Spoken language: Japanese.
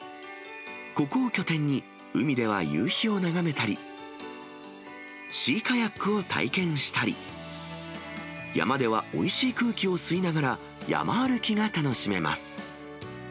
ここを拠点に、海では夕日を眺めたり、シーカヤックを体験したり、山ではおいしい空気を吸いながら、山歩きが楽しめます。